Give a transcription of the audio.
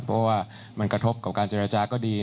เพราะว่ามันกระทบกับการเจรจาก็ดี